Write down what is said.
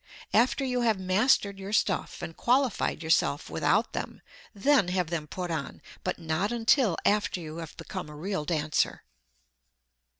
After you have mastered your stuff and qualified yourself without them, then have them put on, but not until after you have become a real dancer.